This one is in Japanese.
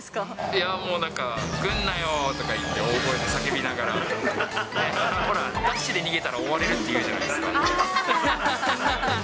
いやもう、なんか来るなよとかいって大声で叫びながら、ダッシュで逃げたら終わるっていうじゃないですか。